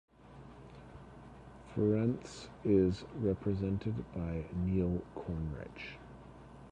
Ferentz is represented by Neil Cornrich.